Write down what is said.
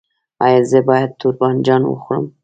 ایا زه باید تور بانجان وخورم؟